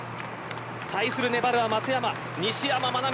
対する粘るは松山西山未奈美